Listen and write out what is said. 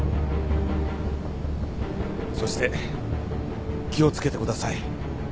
そして気を付けてください